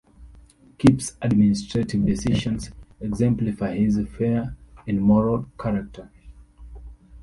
Keep's administrative decisions exemplify his fair and moral character.